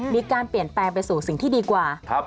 มีการเปลี่ยนแปลงไปสู่สิ่งที่ดีกว่า